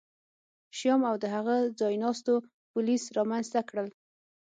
شیام او د هغه ځایناستو پولیس رامنځته کړل